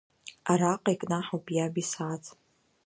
Араҟа икнаҳауп иаб исааҭ.